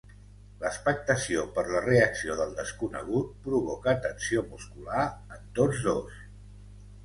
L'expectació per la reacció del desconegut provoca tensió muscular en tots dos.